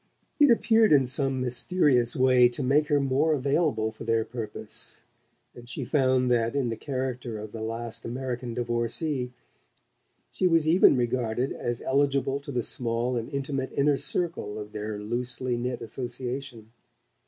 It appeared in some mysterious way to make her more available for their purpose, and she found that, in the character of the last American divorcee, she was even regarded as eligible to the small and intimate inner circle of their loosely knit association.